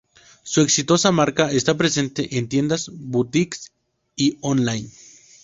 Su exitosa marca está presente en tiendas, boutiques y online.